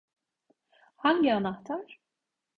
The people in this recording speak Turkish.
Hangi anahtar?